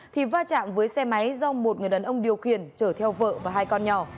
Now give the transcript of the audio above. thì va chạm với xe máy do một người đàn ông điều khiển chở theo vợ và hai con nhỏ